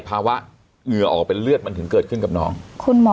ภาวะเหงื่อออกเป็นเลือดมันถึงเกิดขึ้นกับน้องคุณหมอ